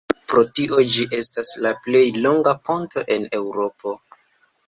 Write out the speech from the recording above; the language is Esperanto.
Pro tio ĝi estas la plej longa ponto en Eŭropo.